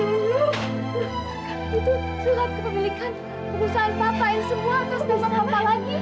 itu jelat kepemilikan perusahaan papa ini semua aku sudah sama papa lagi